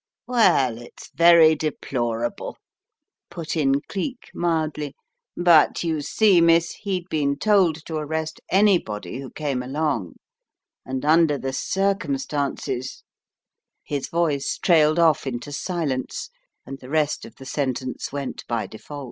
" Well, it's very deplorable," put in Cleek, mildly, "but you see, miss, he'd been told to arrest anybody who came along, and under the circumstances " His voice trailed off into silence and the rest of the sentence went by default.